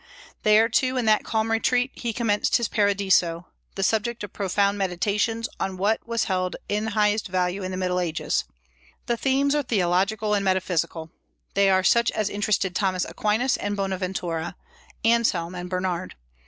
There, too, in that calm retreat, he commenced his Paradiso, the subject of profound meditations on what was held in highest value in the Middle Ages. The themes are theological and metaphysical. They are such as interested Thomas Aquinas and Bonaventura, Anselm and Bernard.